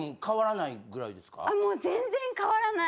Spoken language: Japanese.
もう全然変わらない。